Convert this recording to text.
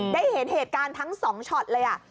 ได้เห็นเหตุการณ์ทั้ง๒ช็อตเลย